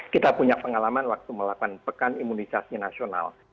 kita punya pengalaman waktu melakukan pekan imunisasi nasional